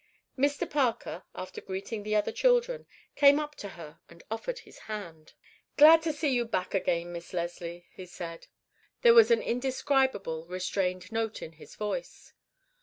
Mr. Parker, after greeting the other children, came up to her and offered his hand. "Glad to see you back again, Miss Leslie," he said. There was an indescribable, restrained note in his voice.